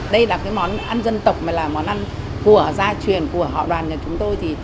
đây là cái món ăn dân tộc món ăn của gia truyền của họ đoàn nhà chúng tôi